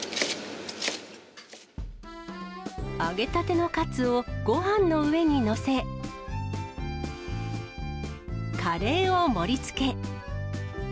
揚げたてのカツをごはんの上に載せ、カレーを盛りつけ。